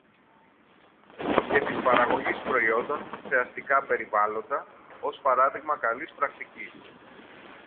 και της παραγωγής προϊόντων σε αστικά περιβάλλοντα, ως παράδειγμα καλής πρακτικής